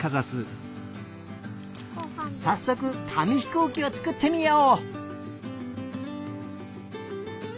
さっそくかみひこうきをつくってみよう。